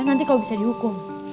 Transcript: nanti kau bisa dihukum